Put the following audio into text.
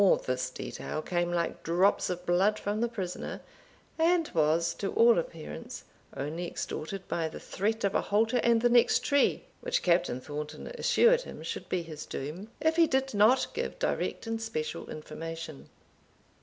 All this detail came like drops of blood from the prisoner, and was, to all appearance, only extorted by the threat of a halter and the next tree, which Captain Thornton assured him should be his doom, if he did not give direct and special information.